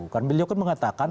kan beliau kan mengatakan